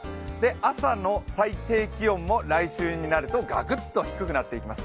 朝の最低気温も来週になるとガクッと低くなってきます。